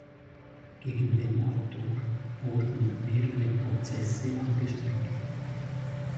Gegen den Autor wurden mehrere Prozesse angestrengt.